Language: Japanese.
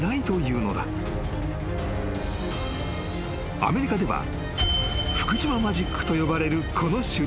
［アメリカでは福島マジックと呼ばれるこの手術］